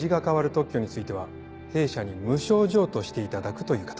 特許については弊社に無償譲渡していただくという形で。